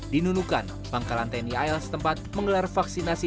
di nunukan pangkalan tni al setempat menggelar vaksinasi